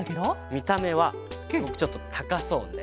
みためはちょっとたかそうで。